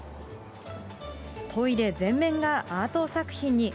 トイレ全面がアート作品に。